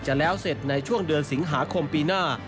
แล้วเสร็จในช่วงเดือนสิงหาคมปีหน้า